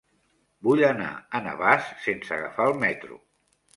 Vull anar a Navàs sense agafar el metro.